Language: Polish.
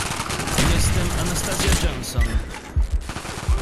"Jestem Anastazja Johnson."